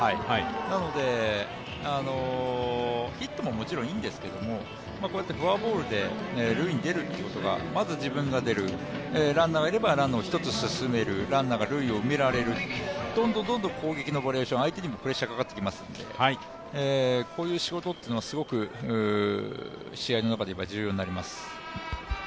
なので、ヒットももちろんいいんですけどこうやってフォアボールで塁に出るということが自分が出る、ランナーがいればランナーを１つ進める、ランナーが塁を埋められる、どんどんどんどんと攻撃のバリエーション、相手にもプレッシャーがかかってきますのでこういう仕事というのは試合の中で重要になります。